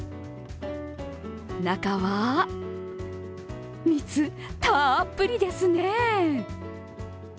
中は、蜜たっぷりですね。